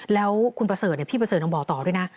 แล้วคุณประเสริฐพี่ประเสริฐยังบอกต่อด้วยนะ